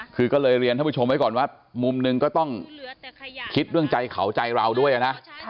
คือก็เลยเรียนท่านผู้ชมไว้ก่อนว่ามุมหนึ่งก็ต้องคิดเรื่องใจเขาใจเราด้วยนะ